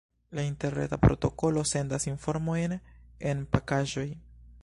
La interreta protokolo sendas informojn en pakaĵoj.